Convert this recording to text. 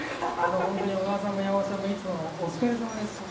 本当に小川さんも山本さんもいつもお疲れさまです。